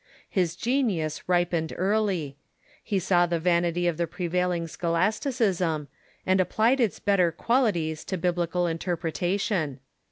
His genius ripened early. He saw the vanity of the prevailing scholasticism, and applied its better qualities to Biblical interpretation.